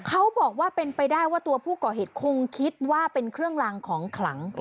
เขาบอกว่าเป็นไปได้ว่าตัวผู้ก่อเหตุคงคิดว่าเป็นเครื่องลางของขลัง